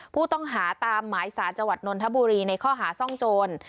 ผู้ต้องหาตามหมายสารจังหวัดนนทบุรีในข้อหาซ่องโจร